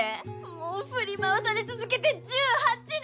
もう振り回され続けて１８年。